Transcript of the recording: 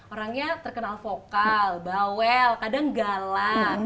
orangnya terkenal vokal bawel kadang gala